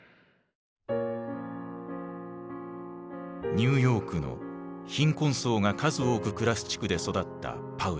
ニューヨークの貧困層が数多く暮らす地区で育ったパウエル氏。